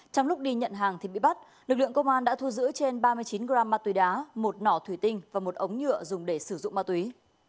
trong lúc đi nhận hàng thì bị bắt lực lượng công an đã thu giữ trên ba mươi chín gram ma túy đá một nỏ thủy tinh và một ống nhựa dùng để sử dụng ma túy